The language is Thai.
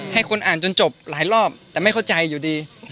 ให้คนอ่านจนจบหลายรอบแต่ไม่เข้าใจอยู่ดี